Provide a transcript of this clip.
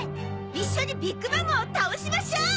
一緒にビッグ・マムを倒しましょう！